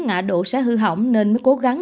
ngã độ sẽ hư hỏng nên mới cố gắng